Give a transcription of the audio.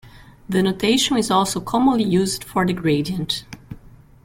The notation is also commonly used for the gradient.